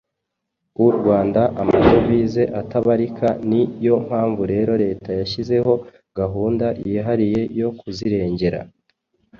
u Rwanda amadovize atabarika. Ni yo mpamvu rero Leta yashyizeho gahunda yihariye yo kuzirengera.